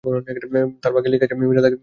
তবে, ভাগ্যে লেখা আছে, মীরা তাকে মেরে ফেলেছে।